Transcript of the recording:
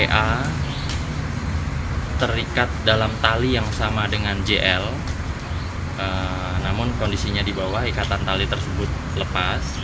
hai terikat dalam tali yang sama dengan jl namun kondisinya di bawah ikatan tali tersebut lepas